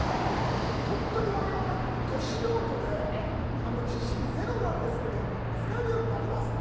ほんとに我々ど素人で知識ゼロなんですけど使えるようになりますか？